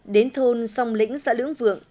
đến thôn song lĩnh xã lưỡng vượng